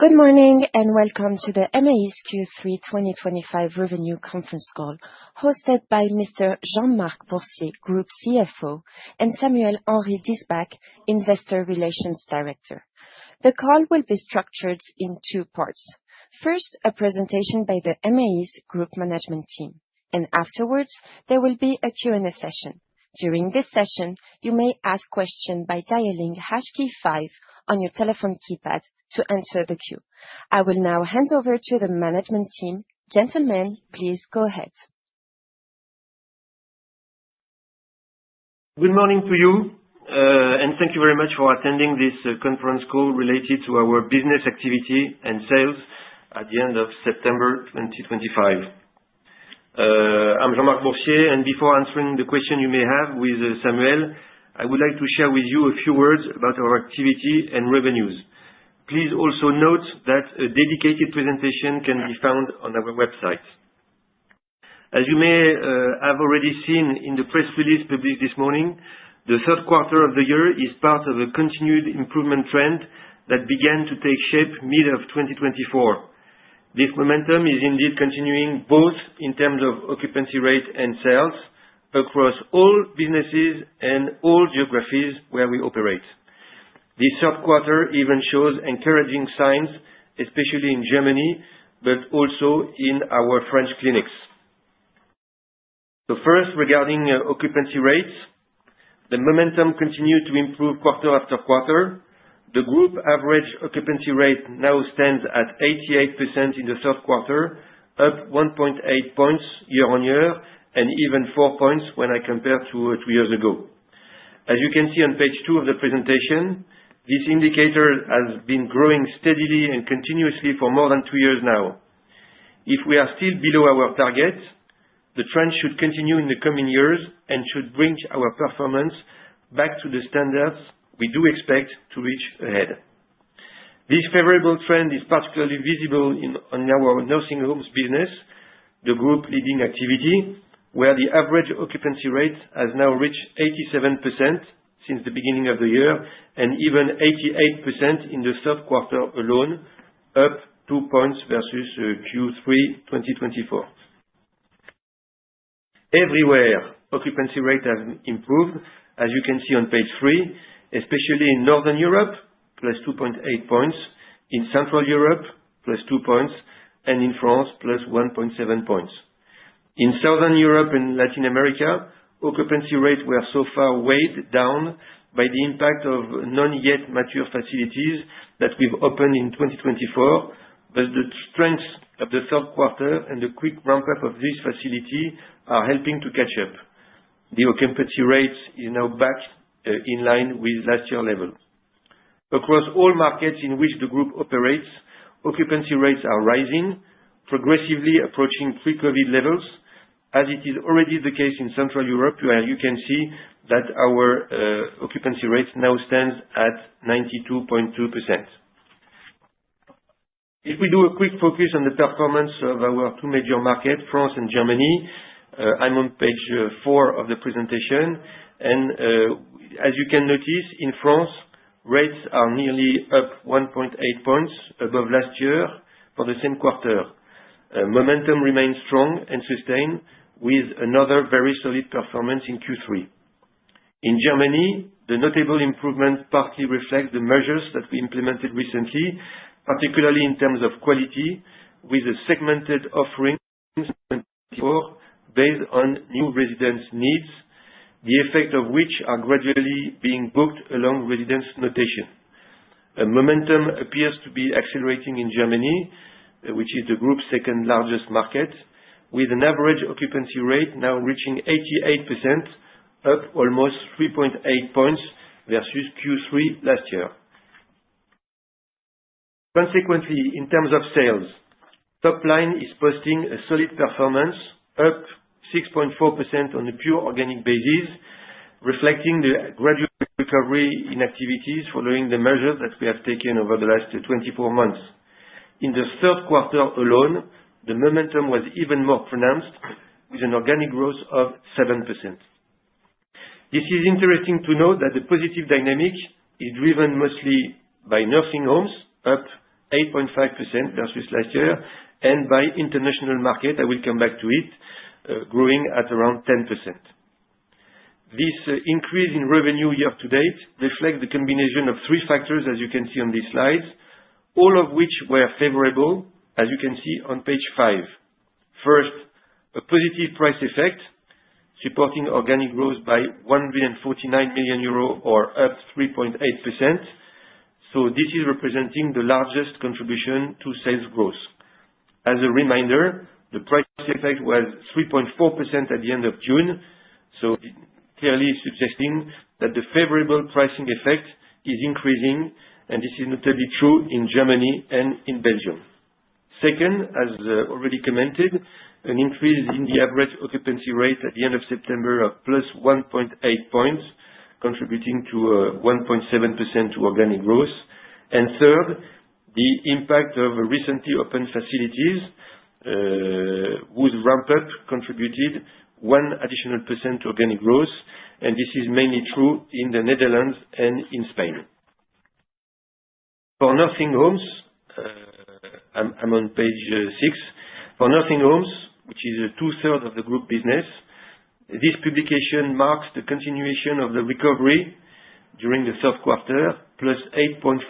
Good morning and welcome to the Emeis' Q3 2025 Revenue Conference Call, hosted by Mr. Jean-Marc Boursier, Group CFO, and Samuel Henry-Diesbach, Investor Relations Director. The call will be structured in two parts. First, a presentation by the Emeis's Group Management Team, and afterwards, there will be a Q&A session. During this session, you may ask questions by dialing #KEY5 on your telephone keypad to enter the queue. I will now hand over to the Management Team. Gentlemen, please go ahead. Good morning to you, and thank you very much for attending this conference call related to our business activity and sales at the end of September 2025. I'm Jean-Marc Boursier, and before answering the question you may have with Samuel, I would like to share with you a few words about our activity and revenues. Please also note that a dedicated presentation can be found on our website. As you may have already seen in the press release published this morning, the third quarter of the year is part of a continued improvement trend that began to take shape in the middle of 2024. This momentum is indeed continuing both in terms of occupancy rate and sales across all businesses and all geographies where we operate. This third quarter even shows encouraging signs, especially in Germany, but also in our French clinics. So first, regarding occupancy rates, the momentum continued to improve quarter after quarter. The group average occupancy rate now stands at 88% in the third quarter, up 1.8 points year-on-year and even four points when I compare to two years ago. As you can see on page two of the presentation, this indicator has been growing steadily and continuously for more than two years now. If we are still below our target, the trend should continue in the coming years and should bring our performance back to the standards we do expect to reach ahead. This favorable trend is particularly visible in our nursing homes business, the group's leading activity, where the average occupancy rate has now reached 87% since the beginning of the year and even 88% in the third quarter alone, up two points versus Q3 2024. Everywhere, occupancy rate has improved, as you can see on page three, especially in Northern Europe, plus 2.8 points, in Central Europe, plus 2 points, and in France, plus 1.7 points. In Southern Europe and Latin America, occupancy rates were so far weighed down by the impact of not yet mature facilities that we've opened in 2024, but the strengths of the third quarter and the quick ramp-up of this facility are helping to catch up. The occupancy rate is now back in line with last year's level. Across all markets in which the group operates, occupancy rates are rising, progressively approaching pre-COVID levels. As it is already the case in Central Europe, you can see that our occupancy rate now stands at 92.2%. If we do a quick focus on the performance of our two major markets, France and Germany, I'm on page four of the presentation, and as you can notice, in France, rates are nearly up 1.8 points above last year for the same quarter. Momentum remains strong and sustained, with another very solid performance in Q3. In Germany, the notable improvement partly reflects the measures that we implemented recently, particularly in terms of quality, with a segmented offering based on new residents' needs, the effect of which is gradually being booked along residents' notation. Momentum appears to be accelerating in Germany, which is the group's second-largest market, with an average occupancy rate now reaching 88%, up almost 3.8 points versus Q3 last year. Consequently, in terms of sales, Topline is posting a solid performance, up 6.4% on a pure organic basis, reflecting the gradual recovery in activities following the measures that we have taken over the last 24 months. In the third quarter alone, the momentum was even more pronounced, with an organic growth of 7%. This is interesting to note that the positive dynamic is driven mostly by nursing homes, up 8.5% versus last year, and by the international market, I will come back to it, growing at around 10%. This increase in revenue year-to-date reflects the combination of three factors, as you can see on these slides, all of which were favorable, as you can see on page five. First, a positive price effect supporting organic growth by 149 million euro, or up 3.8%. So this is representing the largest contribution to sales growth. As a reminder, the price effect was 3.4% at the end of June, so clearly suggesting that the favorable pricing effect is increasing, and this is notably true in Germany and in Belgium. Second, as already commented, an increase in the average occupancy rate at the end of September of plus 1.8 points, contributing to 1.7% organic growth. And third, the impact of recently opened facilities with ramp-up contributed 1% to organic growth, and this is mainly true in the Netherlands and in Spain. For nursing homes, I'm on page six. For nursing homes, which is two-thirds of the group business, this publication marks the continuation of the recovery during the third quarter, plus 8.4%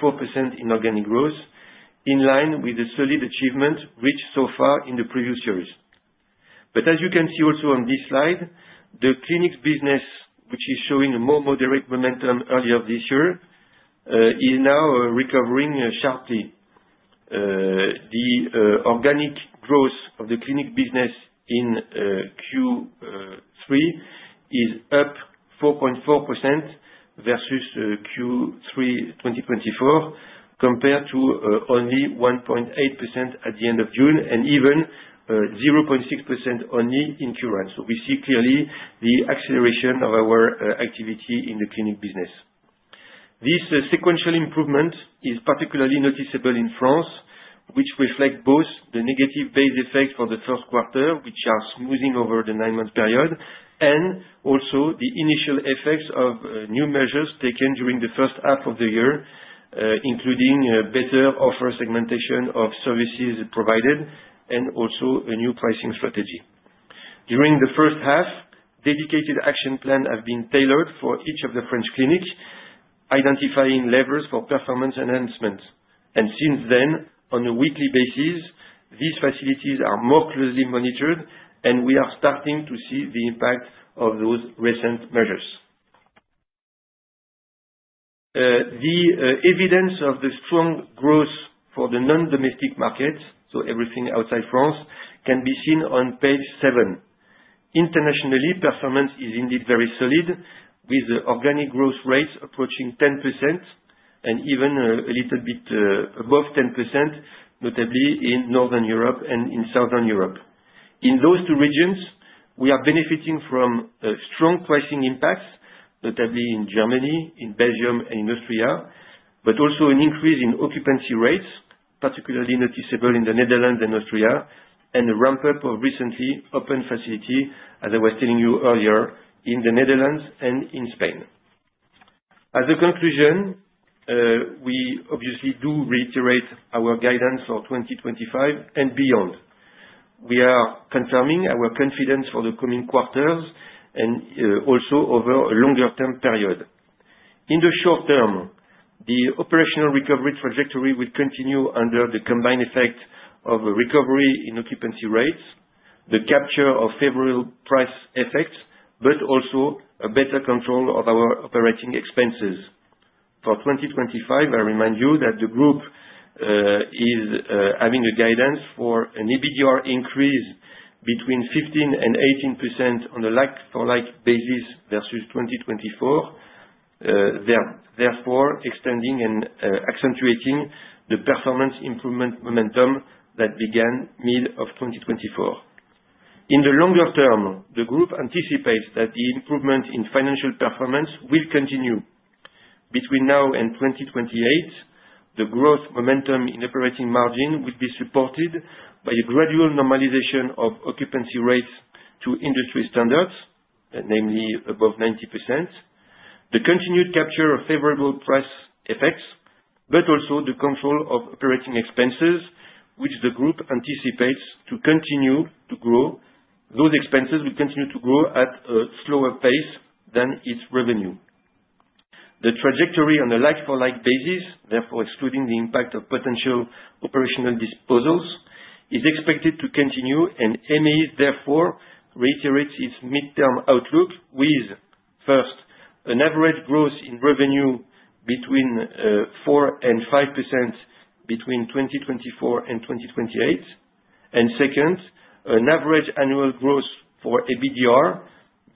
in organic growth, in line with the solid achievement reached so far in the previous years. But as you can see also on this slide, the clinic business, which is showing a more moderate momentum earlier this year, is now recovering sharply. The organic growth of the clinic business in Q3 is up 4.4% versus Q3 2024, compared to only 1.8% at the end of June and even 0.6% only in Q1. So we see clearly the acceleration of our activity in the clinic business. This sequential improvement is particularly noticeable in France, which reflects both the negative base effects for the first quarter, which are smoothing over the nine-month period, and also the initial effects of new measures taken during the first half of the year, including better offer segmentation of services provided and also a new pricing strategy. During the first half, dedicated action plans have been tailored for each of the French clinics, identifying levers for performance enhancements. And since then, on a weekly basis, these facilities are more closely monitored, and we are starting to see the impact of those recent measures. The evidence of the strong growth for the non-domestic markets, so everything outside France, can be seen on page seven. Internationally, performance is indeed very solid, with organic growth rates approaching 10% and even a little bit above 10%, notably in Northern Europe and in Southern Europe. In those two regions, we are benefiting from strong pricing impacts, notably in Germany, in Belgium, and in Austria, but also an increase in occupancy rates, particularly noticeable in the Netherlands and Austria, and a ramp-up of recently opened facilities, as I was telling you earlier, in the Netherlands and in Spain. As a conclusion, we obviously do reiterate our guidance for 2025 and beyond. We are confirming our confidence for the coming quarters and also over a longer-term period. In the short term, the operational recovery trajectory will continue under the combined effect of recovery in occupancy rates, the capture of favorable price effects, but also a better control of our operating expenses. For 2025, I remind you that the group is having a guidance for an EBITDA increase between 15% and 18% on a like-for-like basis versus 2024, therefore extending and accentuating the performance improvement momentum that began in the middle of 2024. In the longer term, the group anticipates that the improvement in financial performance will continue. Between now and 2028, the growth momentum in operating margin will be supported by a gradual normalization of occupancy rates to industry standards, namely above 90%, the continued capture of favorable price effects, but also the control of operating expenses, which the group anticipates to continue to grow. Those expenses will continue to grow at a slower pace than its revenue. The trajectory on a like-for-like basis, therefore excluding the impact of potential operational disposals, is expected to continue, and Emeis therefore reiterates its midterm outlook with, first, an average growth in revenue between 4% and 5% between 2024 and 2028, and second, an average annual growth for EBITDA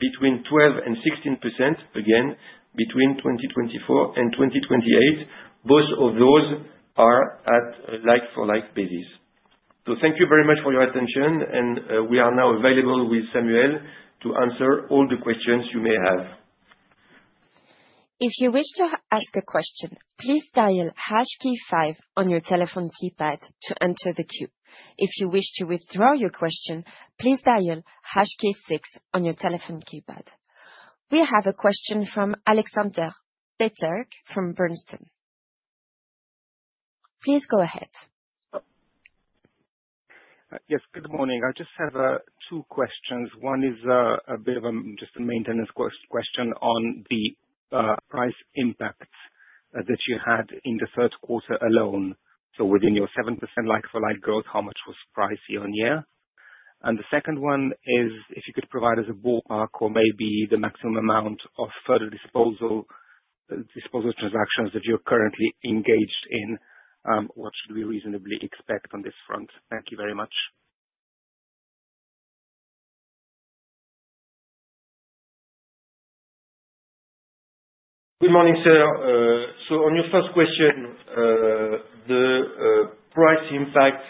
between 12% and 16%, again, between 2024 and 2028. Both of those are at like-for-like basis. So thank you very much for your attention, and we are now available with Samuel to answer all the questions you may have. If you wish to ask a question, please dial #KEY5 on your telephone keypad to enter the queue. If you wish to withdraw your question, please dial #KEY6 on your telephone keypad. We have a question from Alexander Peterc from Bernstein. Please go ahead. Yes, good morning. I just have two questions. One is a bit of just a maintenance question on the price impact that you had in the third quarter alone. So within your 7% like-for-like growth, how much was price year-on-year? And the second one is, if you could provide us a ballpark or maybe the maximum amount of further disposal transactions that you're currently engaged in, what should we reasonably expect on this front? Thank you very much. Good morning, sir. So on your first question, the price impact,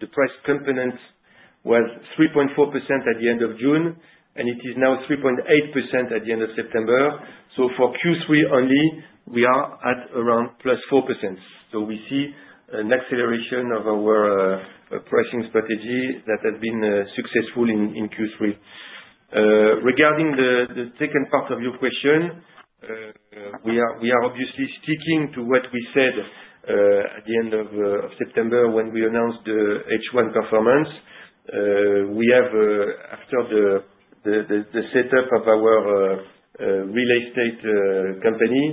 the price component was 3.4% at the end of June, and it is now 3.8% at the end of September. So for Q3 only, we are at around +4%. So we see an acceleration of our pricing strategy that has been successful in Q3. Regarding the second part of your question, we are obviously sticking to what we said at the end of September when we announced the H1 performance. We have, after the setup of our real estate company,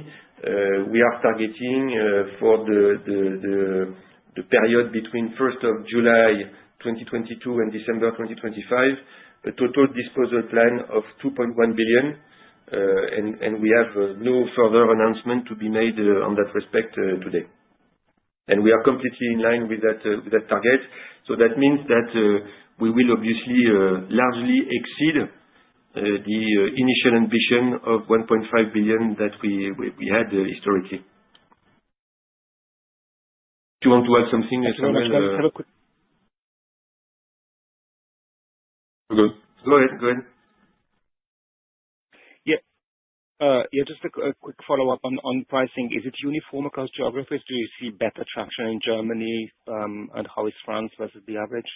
we are targeting for the period between 1st of July 2022 and December 2025, a total disposal plan of 2.1 billion, and we have no further announcement to be made on that respect today. And we are completely in line with that target. So that means that we will obviously largely exceed the initial ambition of 1.5 billion that we had historically. Do you want to add something, Samuel? No, just have a quick. You're good. Go ahead, go ahead. Yeah. Yeah, just a quick follow-up on pricing. Is it uniform across geographies? Do you see better traction in Germany and how is France versus the average?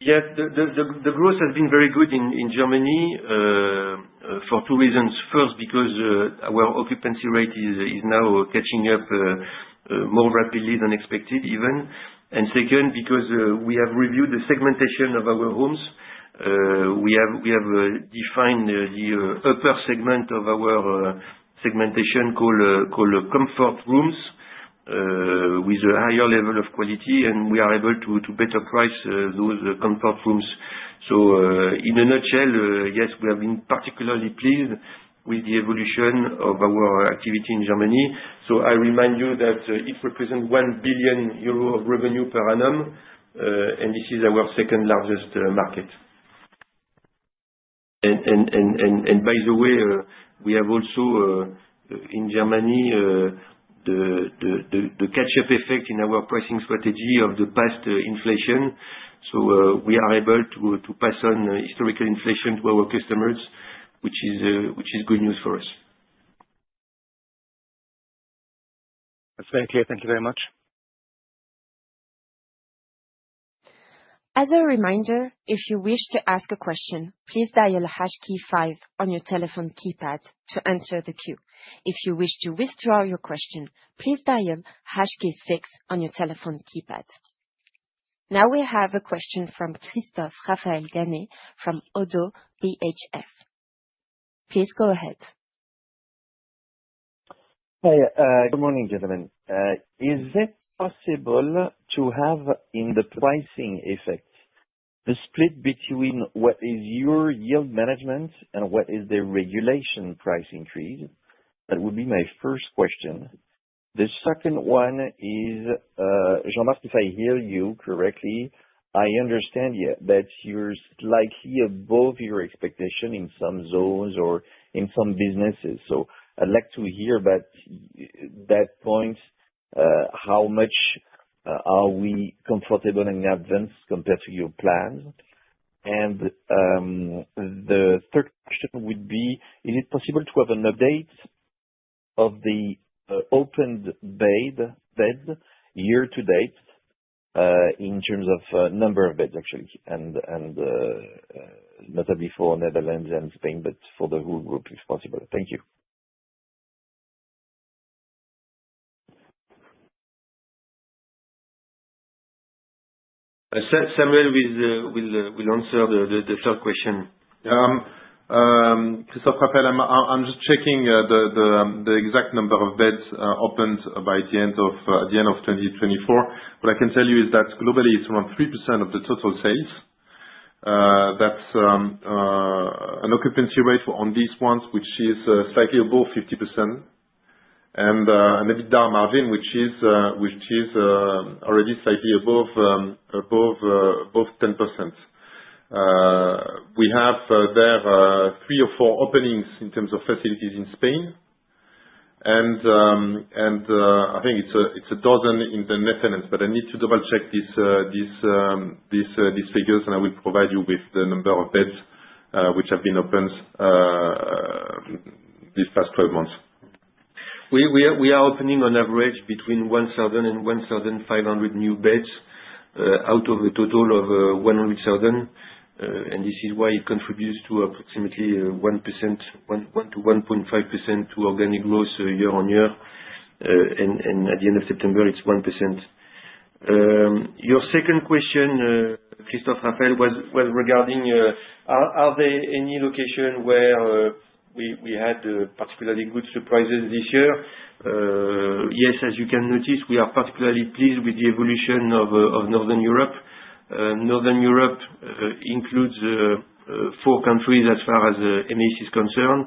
Yes, the growth has been very good in Germany for two reasons. First, because our occupancy rate is now catching up more rapidly than expected, even. And second, because we have reviewed the segmentation of our homes. We have defined the upper segment of our segmentation called comfort rooms with a higher level of quality, and we are able to better price those comfort rooms. So in a nutshell, yes, we have been particularly pleased with the evolution of our activity in Germany. So I remind you that it represents €1 billion of revenue per annum, and this is our second-largest market. And by the way, we have also in Germany the catch-up effect in our pricing strategy of the past inflation. So we are able to pass on historical inflation to our customers, which is good news for us. Thank you. Thank you very much. As a reminder, if you wish to ask a question, please dial #KEY5 on your telephone keypad to enter the queue. If you wish to withdraw your question, please dial #KEY6 on your telephone keypad. Now we have a question from Christophe Raphael Ganet from ODDO BHF. Please go ahead. Hi, good morning, gentlemen. Is it possible to have in the pricing effect a split between what is your yield management and what is the regulation price increase? That would be my first question. The second one is, Jean-Marc, if I hear you correctly, I understand that you're slightly above your expectation in some zones or in some businesses. So I'd like to hear about that point, how much are we comfortable in advance compared to your plans? And the third question would be, is it possible to have an update of the opened bed year-to-date in terms of number of beds, actually, and notably for Netherlands and Spain, but for the whole group, if possible? Thank you. Samuel, we'll answer the third question. Yeah. Christophe Raphael. I'm just checking the exact number of beds opened by the end of 2024. What I can tell you is that globally, it's around 3% of the total sales. That's an occupancy rate on these ones, which is slightly above 50%, and an EBITDA margin, which is already slightly above 10%. We have there three or four openings in terms of facilities in Spain, and I think it's a dozen in the Netherlands, but I need to double-check these figures, and I will provide you with the number of beds which have been opened these past 12 months. We are opening on average between 1,000 and 1,500 new beds out of a total of 100,000, and this is why it contributes to approximately 1%, 1-1.5% to organic growth year-on-year, and at the end of September, it's 1%. Your second question, Christophe Raphael, was regarding are there any locations where we had particularly good surprises this year? Yes, as you can notice, we are particularly pleased with the evolution of Northern Europe. Northern Europe includes four countries as far as Emeis is concerned: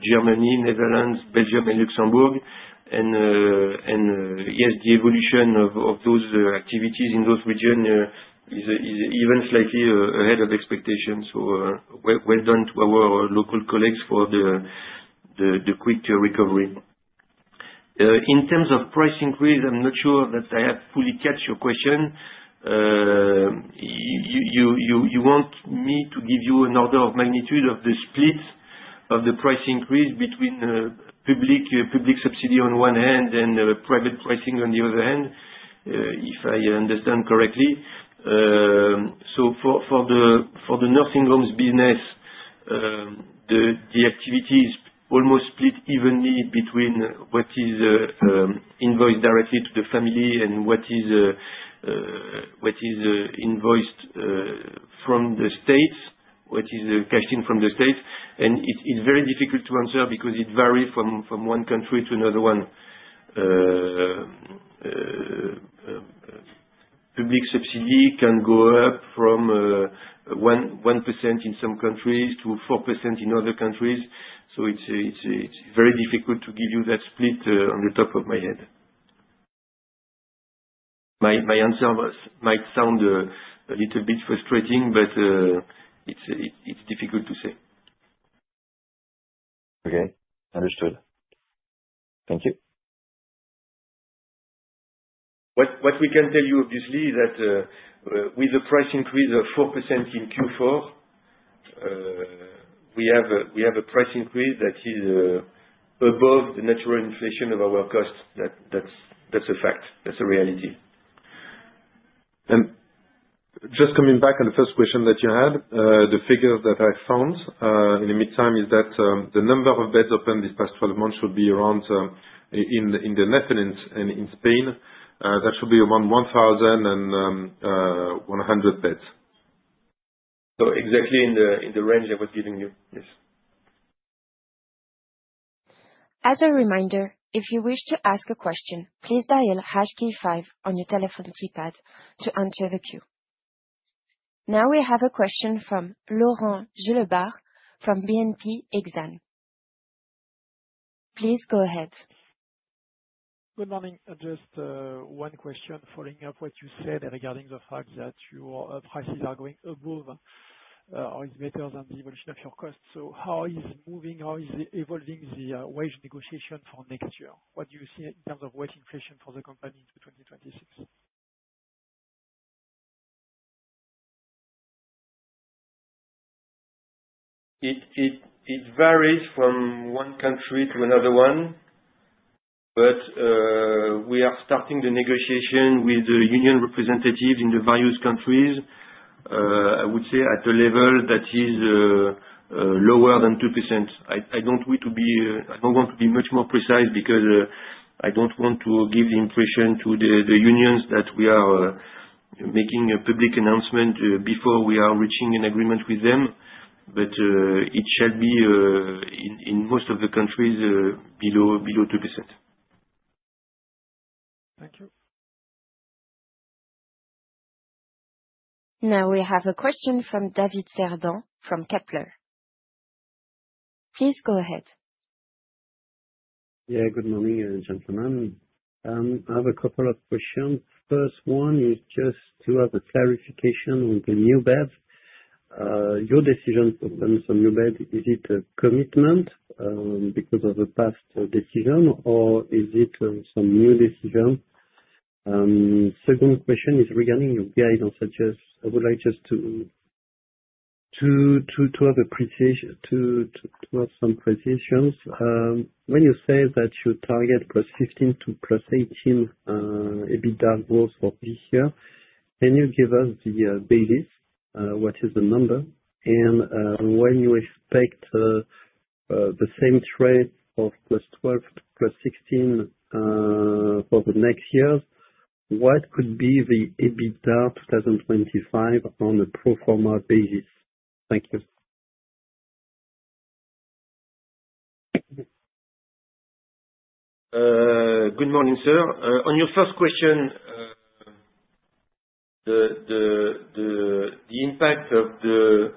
Germany, Netherlands, Belgium, and Luxembourg, and yes, the evolution of those activities in those regions is even slightly ahead of expectations, so well done to our local colleagues for the quick recovery. In terms of price increase, I'm not sure that I have fully captured your question. You want me to give you an order of magnitude of the split of the price increase between public subsidy on one hand and private pricing on the other hand, if I understand correctly, so for the nursing homes business, the activity is almost split evenly between what is invoiced directly to the family and what is invoiced from the states, what is cashed in from the states, and it's very difficult to answer because it varies from one country to another one. Public subsidy can go up from 1% in some countries to 4% in other countries, so it's very difficult to give you that split on the top of my head. My answer might sound a little bit frustrating, but it's difficult to say. Okay. Understood. Thank you. What we can tell you, obviously, is that with the price increase of 4% in Q4, we have a price increase that is above the natural inflation of our costs. That's a fact. That's a reality. Just coming back on the first question that you had, the figures that I found in the meantime is that the number of beds opened these past 12 months should be around in the Netherlands and in Spain, that should be around 1,100 beds. So exactly in the range I was giving you. Yes. As a reminder, if you wish to ask a question, please dial #KEY5 on your telephone keypad to enter the queue. Now we have a question from Laurent Gelebart from BNP Exan. Please go ahead. Good morning. Just one question following up what you said regarding the fact that your prices are going above or is better than the evolution of your costs, so how is evolving the wage negotiation for next year? What do you see in terms of wage inflation for the company in 2026? It varies from one country to another one, but we are starting the negotiation with the union representatives in the various countries, I would say, at a level that is lower than 2%. I don't want to be much more precise because I don't want to give the impression to the unions that we are making a public announcement before we are reaching an agreement with them, but it shall be in most of the countries below 2%. Thank you. Now we have a question from David Cerdan from Kepler. Please go ahead. Yeah, good morning, gentlemen. I have a couple of questions. First one is just to have a clarification on the new bed. Your decision to open some new bed, is it a commitment because of a past decision, or is it some new decision? Second question is regarding your guidance. I would like just to have some precisions. When you say that you target plus 15 to plus 18 EBITDA growth for this year, can you give us the basis, what is the number, and when you expect the same trade of plus 12 to plus 16 for the next years, what could be the EBITDA 2025 on a pro forma basis? Thank you. Good morning, sir. On your first question, the impact of the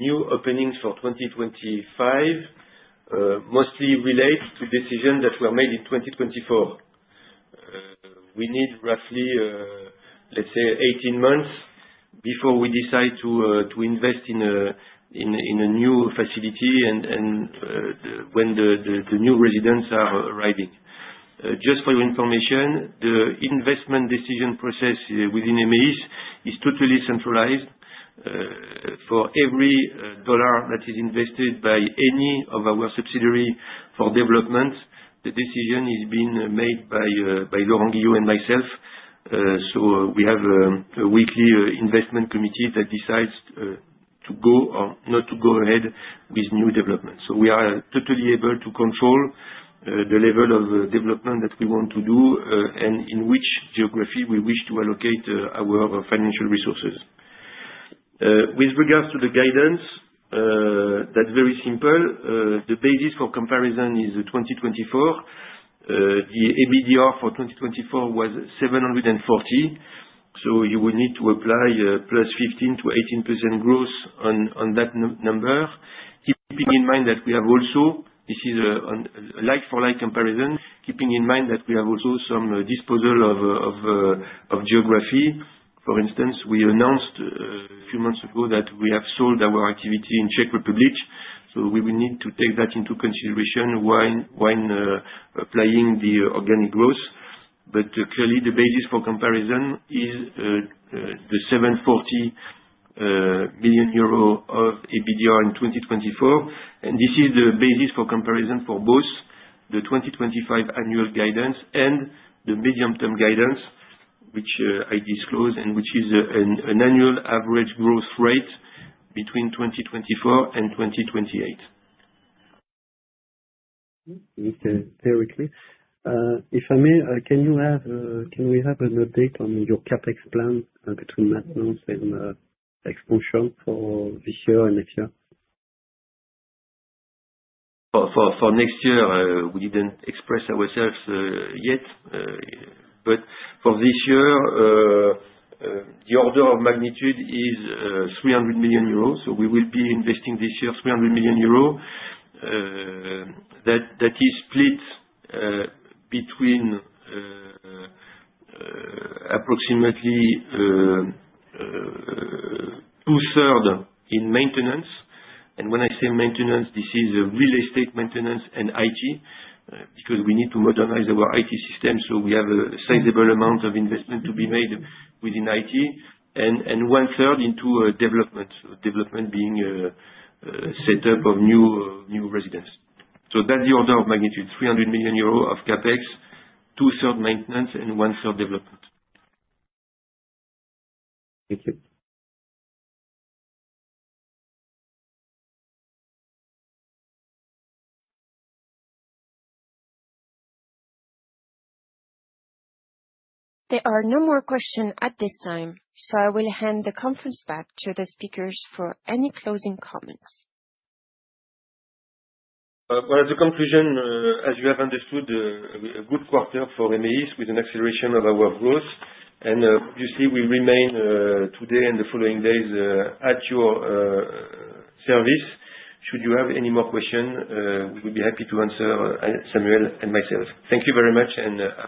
new openings for 2025 mostly relates to decisions that were made in 2024. We need roughly, let's say, 18 months before we decide to invest in a new facility and when the new residents are arriving. Just for your information, the investment decision process within Emeis is totally centralized. For every dollar that is invested by any of our subsidiaries for development, the decision is being made by Laurent Guillot and myself. So we have a weekly investment committee that decides to go or not to go ahead with new developments. So we are totally able to control the level of development that we want to do and in which geography we wish to allocate our financial resources. With regards to the guidance, that's very simple. The basis for comparison is 2024. The EBITDA for 2024 was 740. So you will need to apply plus 15%-18% growth on that number, keeping in mind that we have also. This is a like-for-like comparison, keeping in mind that we have also some disposal of geography. For instance, we announced a few months ago that we have sold our activity in the Czech Republic. So we will need to take that into consideration when applying the organic growth. But clearly, the basis for comparison is the 740 million euro of EBITDA in 2024, and this is the basis for comparison for both the 2025 annual guidance and the medium-term guidance, which I disclose, and which is an annual average growth rate between 2024 and 2028. Okay. Theoretically, if I may, can you have an update on your CapEx plan between maintenance and expansion for this year and next year? For next year, we didn't express ourselves yet. But for this year, the order of magnitude is 300 million euros. So we will be investing this year 300 million euros. That is split between approximately two-thirds in maintenance. And when I say maintenance, this is real estate maintenance and IT because we need to modernize our IT system. So we have a sizable amount of investment to be made within IT and one-third into development, development being set up of new residents. So that's the order of magnitude: 300 million euros of CapEx, two-thirds maintenance, and one-third development. Thank you. There are no more questions at this time, so I will hand the conference back to the speakers for any closing comments. As a conclusion, as you have understood, a good quarter for Emeis with an acceleration of our growth. Obviously, we remain today and the following days at your service. Should you have any more questions, we will be happy to answer, Samuel and myself. Thank you very much, and.